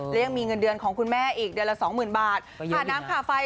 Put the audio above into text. และมีเงินเดือนของคุณแม่อีกเดือนละสองหมื่นบาทเ฀าะน้ำส่าห์ไฟ